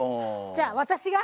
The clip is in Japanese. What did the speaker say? じゃあ私が。